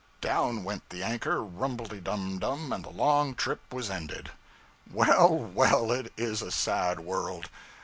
'_ Down went the anchor, rumbledy dum dum! and the long trip was ended. Well well, it is a sad world.